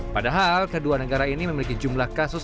padahal kedua negara ini memiliki jumlah kasus